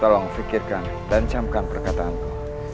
tolong fikirkan dan samkan perkataanmu